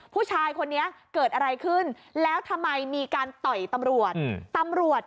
ผู้ชายคนนี้เกิดอะไรขึ้นแล้วทำไมมีการต่อยตำรวจตำรวจ